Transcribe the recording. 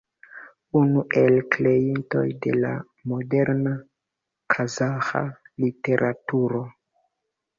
Unu el kreintoj de la moderna kazaĥa literaturo.